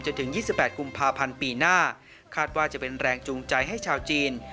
ถึง๒๘กุมภาพันธ์ปีหน้าคาดว่าจะเป็นแรงจูงใจให้ชาวจีน